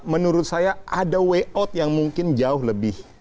menurut saya ada way out yang mungkin jauh lebih